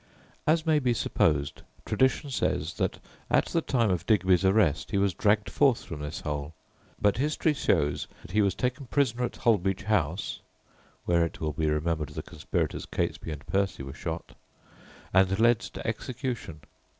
LEGERS] As may be supposed, tradition says that at the time of Digby's arrest he was dragged forth from this hole, but history shows that he was taken prisoner at Holbeach House (where, it will be remembered, the conspirators Catesby and Percy were shot), and led to execution.